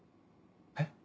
えっ？